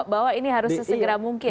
bawa ini harus sesegara mungkin